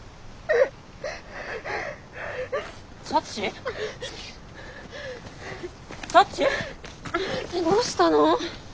えどうしたの？